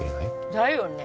だよね！